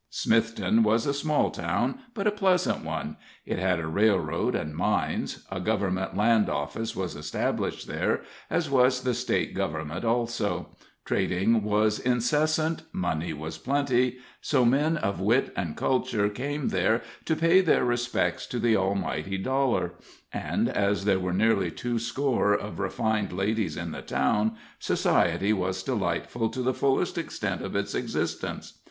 Smithton was a small town, but a pleasant one; it had a railroad and mines; a government land office was established there, as was the State Government also; trading was incessant, money was plenty, so men of wit and culture came there to pay their respects to the almighty dollar; and as there were nearly two score of refined ladies in the town, society was delightful to the fullest extent of its existence.